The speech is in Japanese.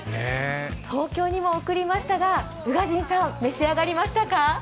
東京にも送りましたが、宇賀神さん召し上がりましたか。